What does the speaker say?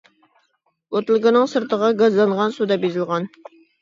بوتۇلكىنىڭ سىرتىغا گازلانغان سۇ دەپ يېزىلغان.